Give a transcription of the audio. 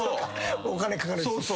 お金かかるし。